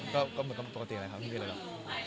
ก็เหมือนกับปกติแหละครับไม่มีอะไรหรอก